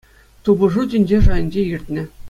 Тупӑшу тӗнче шайӗнче иртнӗ.